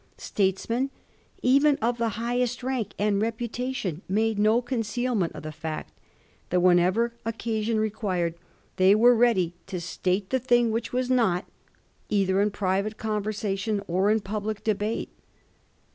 Statesmen, even of the highest rank and reputation, made no concealment of the fact that when ever occasion required they were ready to state the thing which was not, either in private conversation or in public debate.